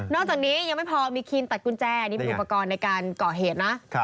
จากนี้ยังไม่พอมีครีนตัดกุญแจนี่เป็นอุปกรณ์ในการก่อเหตุนะ